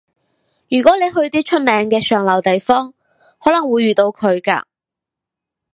如果你去啲出名嘅上流地方，可能會遇到佢㗎